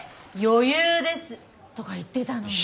「余裕です」とか言ってたのに。